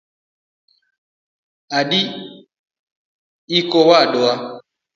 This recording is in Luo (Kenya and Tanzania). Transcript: Adi iko wuod waya